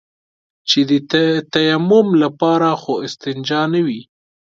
چې د تيمم لپاره خو استنجا نه وي.